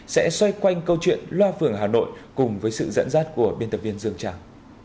sẽ xoay quanh câu chuyện loa phường hà nội cùng với sự dẫn dắt của biên tập viên dương trang